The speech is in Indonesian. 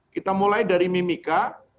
kita mulai dari mimika